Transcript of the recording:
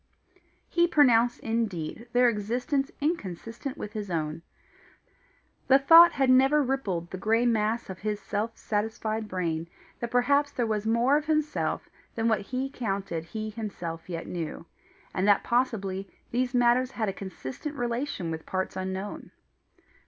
He pronounced indeed their existence inconsistent with his own. The thought had never rippled the grey mass of his self satisfied brain that perhaps there was more of himself than what he counted he himself yet knew, and that possibly these matters had a consistent relation with parts unknown.